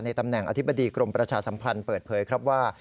ตำแหน่งอธิบดีกรมประชาสัมพันธ์เปิดเผยครับว่า